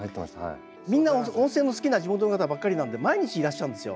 みんな温泉の好きな地元の方ばっかりなので毎日いらっしゃるんですよ。